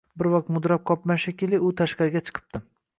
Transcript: Bir vaqt mudrab qopman, shekilli, u tashqariga chiqibdi.